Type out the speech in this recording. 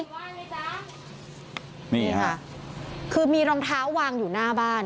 ว่างไหมจ๊ะนี่ค่ะคือมีรองเท้าวางอยู่หน้าบ้าน